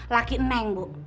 laki neng bu